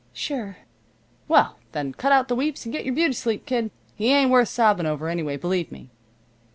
"Sure." "Well, then, cut out the weeps and get your beauty sleep, kid. He ain't worth sobbing over, anyway, believe me."